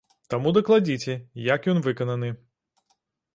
Таму дакладзіце, як ён выкананы.